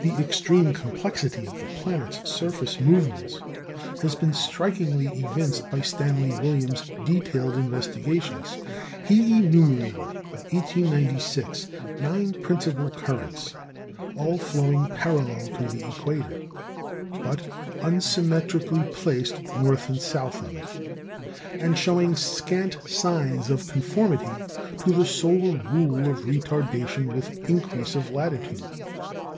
The extreme complexity of the planet's surface movements has been strikingly evinced by Mr. Stanley Williams's detailed investigations. He enumerated in 1896 nine principal currents, all flowing parallel to the equator, but unsymmetrically placed north and south of it, and showing scant signs of conformity to the solar rule of retardation with increase of latitude.